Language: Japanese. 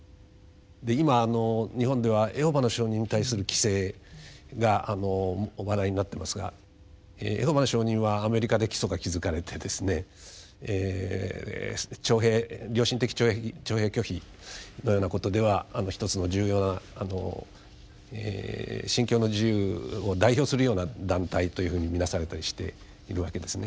で今日本ではエホバの証人に対する規制が話題になってますがエホバの証人はアメリカで基礎が築かれてですねえ良心的徴兵拒否のようなことではひとつの重要な「信教の自由」を代表するような団体というふうに見なされたりしているわけですね。